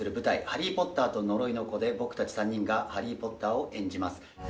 「ハリー・ポッターと呪いの子」で僕達３人がハリー・ポッターを演じます